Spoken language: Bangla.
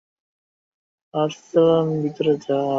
আর্সলান, ভিতরে যা।